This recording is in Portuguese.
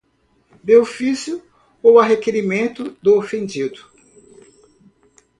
De ofício ou a requerimento do ofendido